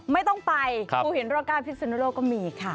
ไม่ต้องไปภูหินร่องกล้าพิสุนโลกก็มีค่ะ